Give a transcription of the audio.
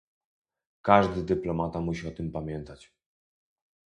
Każdy dyplomata musi o tym pamiętać